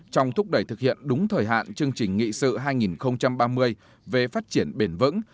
trong thúc đẩy thực hiện đúng thời hạn chương trình nghị sự hai nghìn ba mươi về phát triển bền vững